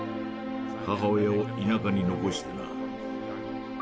母親を田舎に残してな。